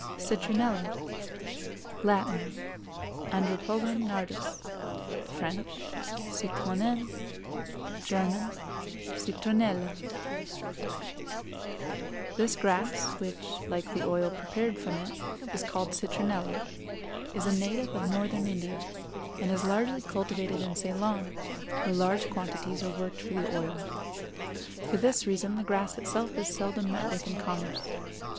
CITRONELLA. Latin—Andropogon Nardus; French—Citronelle; German—Citronella. This grass, which, like the oil prepared from it, is called citronella, is a native of northern India, and is largely cultivated in Ceylon, where large quantities are worked for the oil; for this reason the grass itself is seldom met with in commerce.